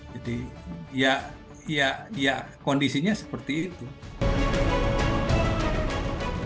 jadi ya kondisinya seperti itu